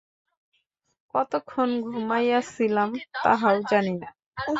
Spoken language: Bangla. কতক্ষণ ঘুমাইয়াছিলাম তাহাও জানি না।